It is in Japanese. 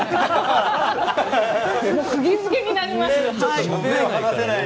釘付けになりますね。